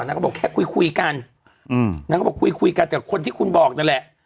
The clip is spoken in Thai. เขาบอกแค่คุยคุยกันนางก็บอกคุยคุยกันกับคนที่คุณบอกนั่นแหละ